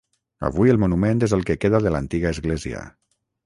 Avui el monument és el que queda de l'antiga església.